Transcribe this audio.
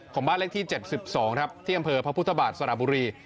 บ้านเลขที่๗๒ครับที่อำเภอพระพุทธบาทสระบุรี